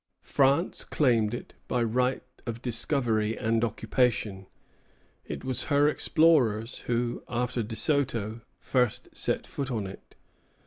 France claimed it by right of discovery and occupation. It was her explorers who, after De Soto, first set foot on it.